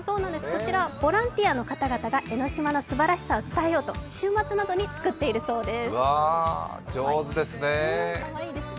こちらボランティアの方々が江の島の素晴らしさを伝えようと、週末などに作っているそうです。